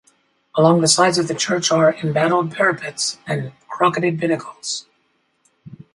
Along the sides of the church are embattled parapets and crocketed pinnacles.